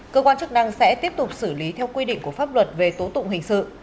cơ quan chức năng sẽ tiếp tục xử lý theo quy định của pháp luật về tố tụng hình sự